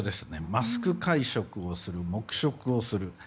マスク会食をする黙食をする。